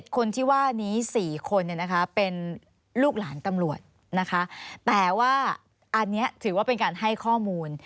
คนที่ว่านี้๔คนเป็นลูกหลานตำรวจนะคะแต่ว่าอันนี้ถือว่าเป็นการให้ข้อมูล